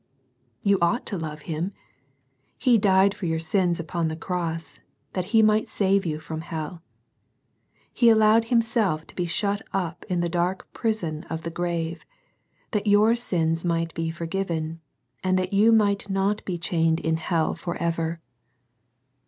You ought to love Him. He died for your sins upon the cross, that He might save you from hell. He allowed Himself to be shut up in the dark prison of the grave, that your sins might be forgiven, and that you might not be chained in hell for ever.